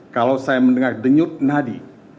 kalau saya mendengar denyut nadi